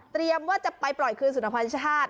เตรียมว่าจะไปปล่อยคืนสุนพันธ์ชาติ